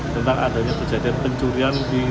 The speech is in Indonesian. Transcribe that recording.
tentang adanya kejadian pencurian di